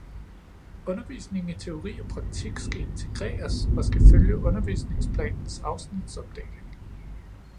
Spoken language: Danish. Undervisningen i teori og praktik skal integreres og skal følge undervisningsplanens afsnitsopdeling